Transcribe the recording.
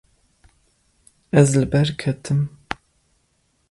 Ez li ber ketim.